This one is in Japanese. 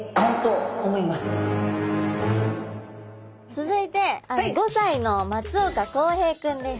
続いて５歳の松岡晃平君です。